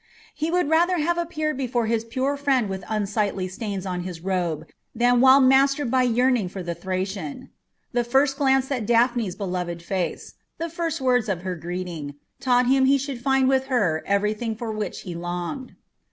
He would rather have appeared before his pure friend with unsightly stains on his robe than while mastered by yearning for the Thracian. The first glance at Daphne's beloved face, the first words of her greeting, taught him that he should find with her everything for which he longed.